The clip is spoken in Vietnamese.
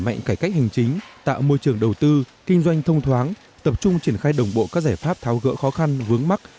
mạnh cải cách hành chính tạo môi trường đầu tư kinh doanh thông thoáng tập trung triển khai đồng bộ các giải pháp tháo gỡ khó khăn vướng mắt